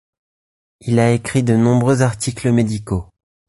Il a écrit de nombreux articles médicaux.